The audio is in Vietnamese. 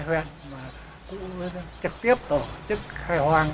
cũ trực tiếp tổ chức khai hoang